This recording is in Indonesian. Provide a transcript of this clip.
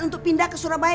untuk pindah ke surabaya